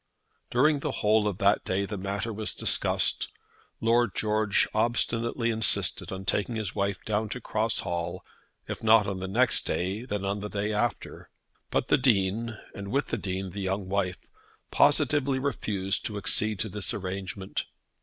During the whole of that day the matter was discussed. Lord George obstinately insisted on taking his wife down to Cross Hall, if not on the next day, then on the day after. But the Dean, and with the Dean the young wife, positively refused to accede to this arrangement.